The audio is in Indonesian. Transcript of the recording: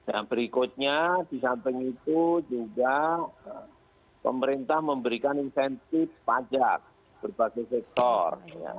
nah berikutnya di samping itu juga pemerintah memberikan insentif pajak berbagai sektor